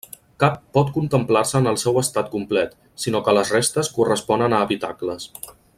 Cap pot contemplar-se en el seu estat complet, sinó que les restes corresponen a habitacles.